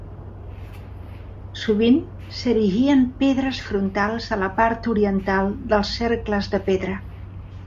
Sovint, s'erigien pedres frontals a la part oriental dels cercles de pedra.